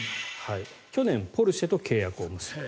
去年、ポルシェと契約を結んだ。